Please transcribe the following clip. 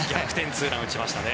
ツーランを打ちましたね。